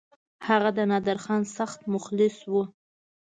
هغه د نادرخان سخت مخلص وو.